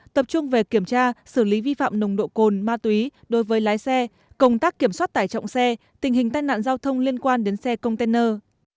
tập trung về kiểm tra xử lý vi phạm nồng độ cồn ma túy đối với lái xe công tác kiểm soát tải trọng xe tình hình tai nạn giao thông liên quan đến xe container